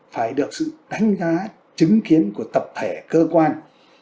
phải được sự đánh giá chứng kiến của tập thể cơ quan